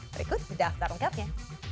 berikut daftar lengkapnya